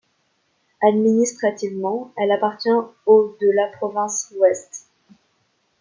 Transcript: Administrativement, elle appartient au de la Province ouest.